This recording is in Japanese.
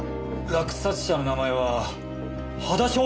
落札者の名前は羽田祥子！